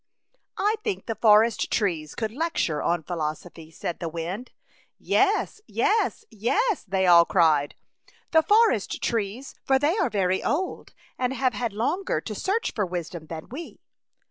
" I think the forest trees could lec ture on philosophy," said the wind. '' Yes, yes, yes," they all cried. " The forest trees, for they are very old and have had longer to search for wisdom than we."